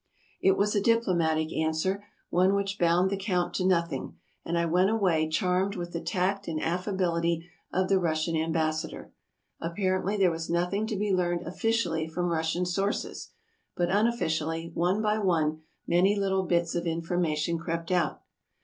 '' It was a diplomatic answer — one which bound the count to nothing, and I went away charmed with the tact and affability of the Russian ambassador. Ap parently there was nothing to be learned officially from Russian sources; but unofficially, one by one, many little bits of information crept out.